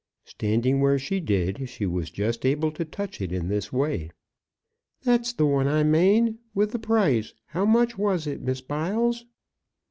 Standing where she did she was just able to touch it in this way. "That's the one I mane, with the price; how much was it, Miss Biles?"